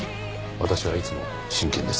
私はいつも真剣です。